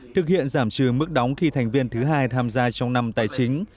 thực hiện giảm trừ mức đóng khi thành viên thứ hai tham gia trong năm tài chính